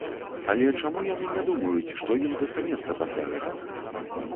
Але чаму яны не думаюць, што ім застанецца пасля гэтага?!